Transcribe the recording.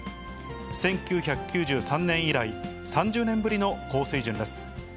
１９９３年以来３０年ぶりの高水準です。